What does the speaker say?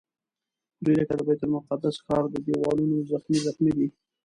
دوی لکه د بیت المقدس ښار د دیوالونو زخمي زخمي دي.